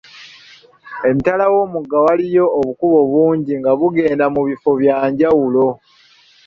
Emitala w'omugga waaliyo obukubo bungi nga bugenda mu bifo bya njawulo.